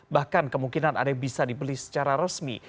bahkan kemungkinan ada yang bisa dibeli secara resmi